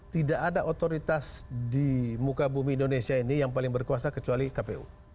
tidak ada otoritas di muka bumi indonesia ini yang paling berkuasa kecuali kpu